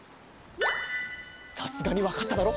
さすがにわかっただろ？